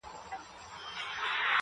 ناروغ سنتيز د ټولني